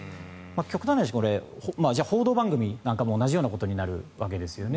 極端な話、報道番組なんかも同じようなことになるわけですよね。